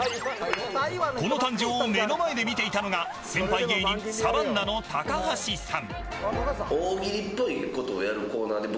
この誕生を目の前で見ていたのが先輩芸人サバンナの高橋さん。